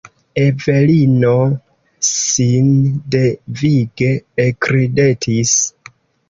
Evelino sindevige ekridetis.